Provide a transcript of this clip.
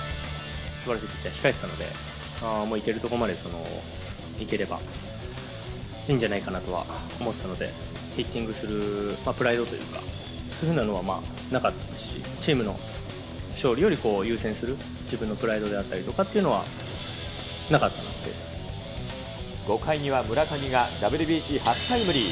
すばらしいピッチャーが控えていたので、もういけるところまでいければいいんじゃないかなとは思ったので、ヒッティングするプライドというか、そういうふうなのはなかったし、チームの勝利より優先する自分のプライドであったりとかっていう５回には村上が、ＷＢＣ初タイムリー。